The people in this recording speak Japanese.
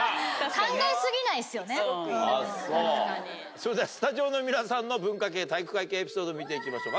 それじゃスタジオの皆さんの文化系体育会系エピソード見ていきましょう